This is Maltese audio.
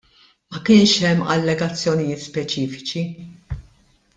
Ma kienx hemm allegazzjonijiet speċifiċi.